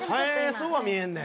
そうは見えんね。